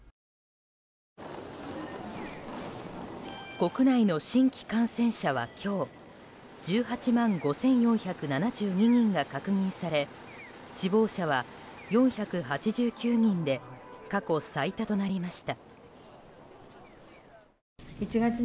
国内の新規感染者は今日１８万５４７２人が確認され死亡者は４８９人で過去最多となりました。